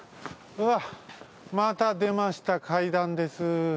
うわっまたでました階段です。